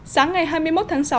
sáng ngày hai mươi một tháng sáu